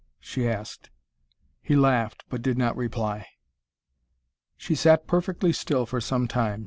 she asked. He laughed, but did not reply. She sat perfectly still for some time.